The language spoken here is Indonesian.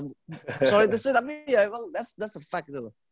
maafin sih tapi ya emang itu fakta